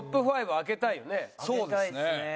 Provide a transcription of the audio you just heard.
開けたいですね。